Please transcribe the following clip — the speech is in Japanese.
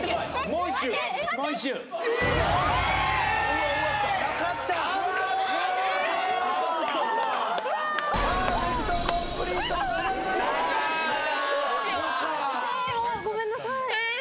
うわえもうごめんなさい